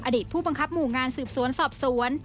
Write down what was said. อดีตผู้บังคับหมู่งานสืบสวนสอบสวน